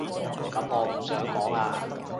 噉我唔想講啊